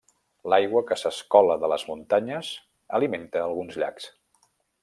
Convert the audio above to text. L'aigua que s'escola de les muntanyes alimenta alguns llacs.